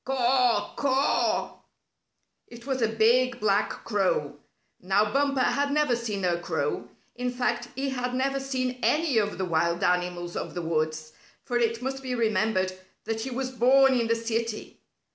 "Caw! Caw!" It was a big, black crow. Now Bumper had never seen a crow. In fact, he had never seen any of the wild animals of the woods, for it must be remembered that he was born in the city.